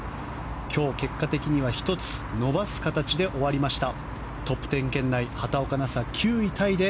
今日、結果的には１つ伸ばす形で終わりました。